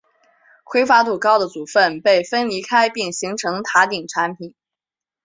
挥发度高的组分被分离开并形成塔顶产品。